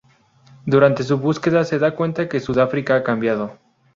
Durante su búsqueda, se da cuenta que Sudáfrica ha cambiado.